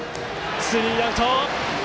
スリーアウト！